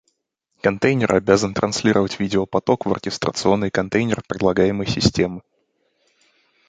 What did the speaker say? Контейнер обязан транслировать видеопоток в оркестрационный контейнер предлагаемой системы